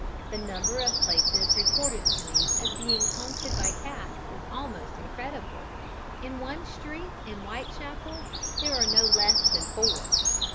The number of places reported to me as being haunted by cats is almost incredible in one street in Whitechapel there are no less than four.